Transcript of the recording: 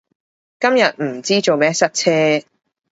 今日唔知做咩塞車